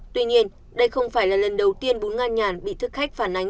tuy nhiên đây không phải là lần đầu tiên bốn ngàn nhàn bị thức khách phản ánh